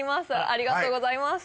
ありがとうございます